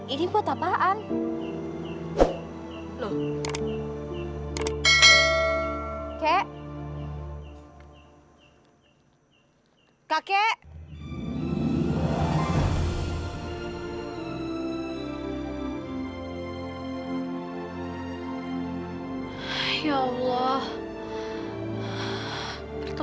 ini buat kamu